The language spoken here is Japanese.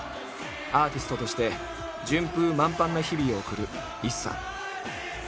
アーティストとして順風満帆な日々を送るＩＳＳＡ。